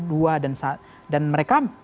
dua dan mereka